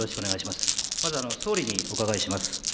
まず、総理にお伺いします。